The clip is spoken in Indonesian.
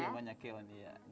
iya banyak keon